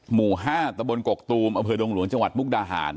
หมู่๕ตะบนกกตูมอำเภอดงหลวงจังหวัดมุกดาหาร